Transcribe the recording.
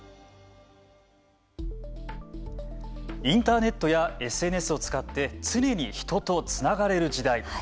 インターネットやＳＮＳを使って常に人とつながれる時代。